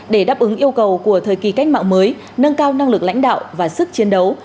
để đáp ứng yêu cầu của thời kỳ cách mạng mới nâng cao năng lực lãnh đạo và sức chiến đấu